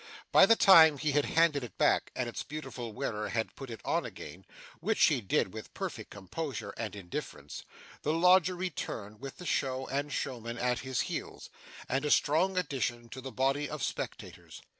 By the time he had handed it back, and its beautiful wearer had put it on again (which she did with perfect composure and indifference), the lodger returned with the show and showmen at his heels, and a strong addition to the body of spectators.